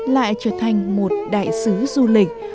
lại trở thành một đại sứ du lịch